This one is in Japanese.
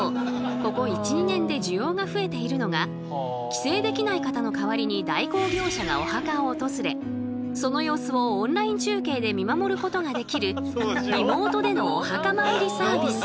ここ１２年で需要が増えているのが帰省できない方の代わりに代行業者がお墓を訪れその様子をオンライン中継で見守ることができるリモートでのお墓参りサービス。